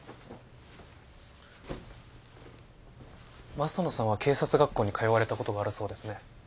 益野さんは警察学校に通われたことがあるそうですね。